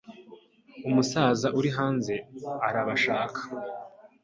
Umusaza uri hanze arabashaka